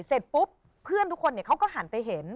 เสร็จปุ๊บเพื่อนทุกคนเขาก็หันไปเห็น